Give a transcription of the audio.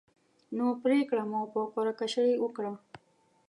نو پرېکړه مو په قره کشۍ وکړه.